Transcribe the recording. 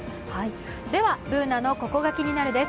ではＢｏｏｎａの「ココがキニナル」です